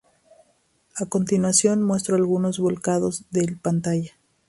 A continuación muestro algunos volcados de pantalla